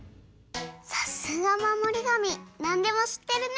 さすがまもりがみなんでもしってるね！